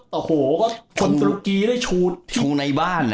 โอ้โหก็คนตุรกีได้ชูในบ้าน